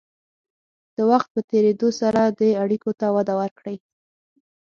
د وخت په تېرېدو سره دې اړیکو ته وده ورکړئ.